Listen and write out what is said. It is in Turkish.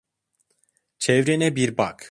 Çevrene bir bak.